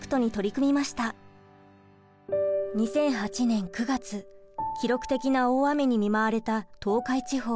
２００８年９月記録的な大雨に見舞われた東海地方。